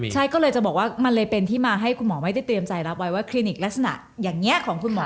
ใช่ก็เลยจะบอกว่ามันเลยเป็นที่มาให้คุณหมอไม่ได้เตรียมใจรับไว้ว่าคลินิกลักษณะอย่างนี้ของคุณหมอ